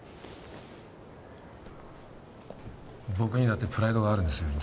僕にだってプライドがあるんですよ院長。